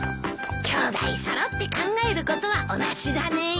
きょうだい揃って考えることは同じだね。